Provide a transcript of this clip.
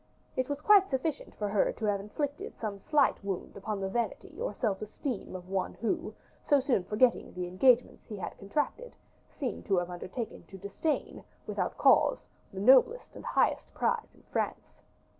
It was quite sufficient for her to have inflicted some slight wound upon the vanity or self esteem of one who, so soon forgetting the engagements he had contracted, seemed to have undertaken to disdain, without cause, the noblest and highest prize in France.